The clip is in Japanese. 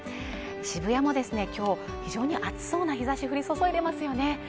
渋谷もですね今日非常に暑そうな日差し降り注いでいますよね